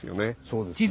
そうですね。